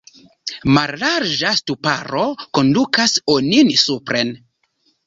Mallarĝa ŝtuparo kondukas onin supren.